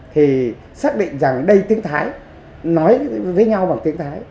thì xác định rằng đây tiếng thái nói với nhau bằng tiếng thái